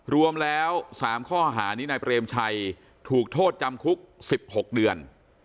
รวมแล้ว๓ข้อหานี้นายเปรมชัยถูกโทษจำคุก๑๖เดือน